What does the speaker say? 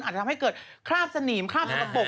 อาจจะทำให้เกิดคราบสนิมคราบสกปรก